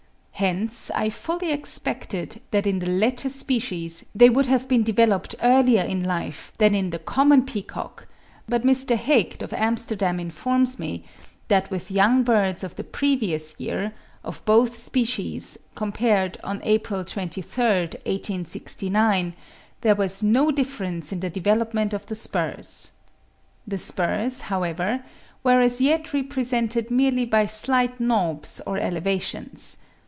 Hence I fully expected that in the latter species they would have been developed earlier in life than in the common peacock; but M. Hegt of Amsterdam informs me, that with young birds of the previous year, of both species, compared on April 23rd, 1869, there was no difference in the development of the spurs. The spurs, however, were as yet represented merely by slight knobs or elevations.